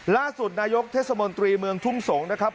ล่าสุดนายกเทศมนตรีเมืองทุ่งสงศ์นะครับ